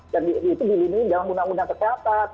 dan itu dilindungi dalam undang undang kesehatan